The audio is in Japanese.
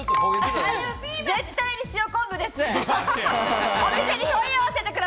絶対に塩昆布です。